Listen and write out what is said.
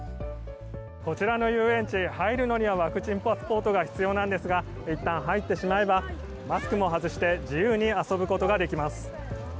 こちらの遊園地入るのにはワクチンパスポートが必要なんですがいったん入ってしまえばマスクも外して自由に遊ぶことができます。